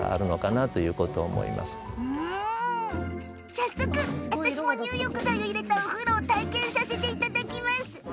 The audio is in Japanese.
早速、私も入浴剤を入れたお風呂を体験させていただきます。